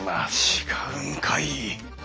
違うんかい！